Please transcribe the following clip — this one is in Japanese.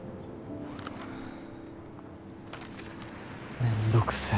めんどくせえ。